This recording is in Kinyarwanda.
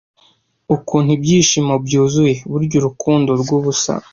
Ukuntu Ibyishimo byuzuye, burya Urukundo rwubusa,